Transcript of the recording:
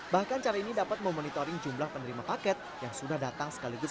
bahkan cara ini dapat memonitoring jumlah penerima paket yang sudah datang sekaligus